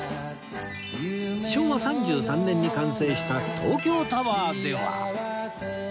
昭和３３年に完成した東京タワーでは